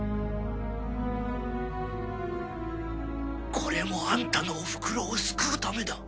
これもあんたのおふくろを救うためだ。